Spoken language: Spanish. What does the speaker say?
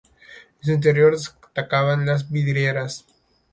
En su interior destacan las vidrieras.